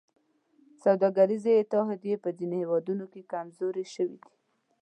سوداګریزې اتحادیې په ځینو هېوادونو کې کمزورې شوي دي